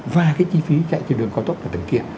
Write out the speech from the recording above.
và cái chi phí chạy trên đường cao tốc là từng kia